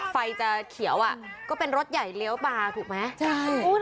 ไฟจะเขียวอ่ะก็เป็นรถใหญ่เลี้ยวปลาถูกไหมใช่